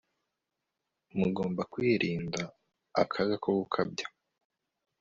Mugomba kwirinda akaga ko gukabya